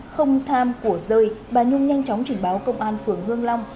không tham của rơi bà nhung nhanh chóng trình báo công an phường hương long